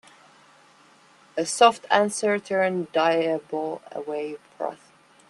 A soft answer turneth diabo away wrath.